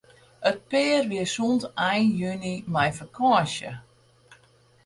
It pear wie sûnt ein juny mei fakânsje.